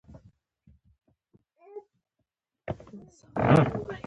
تر لږ ځنډ وروسته هغه مهال الوتکه تېرېدله